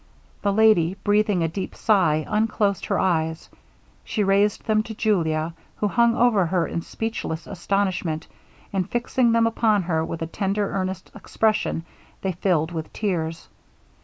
The lady breathing a deep sigh, unclosed her eyes; she raised them to Julia, who hung over her in speechless astonishment, and fixing them upon her with a tender earnest expression they filled with tears.